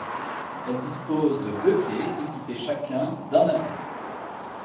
Elle dispose de deux quais équipés chacun d'un abri.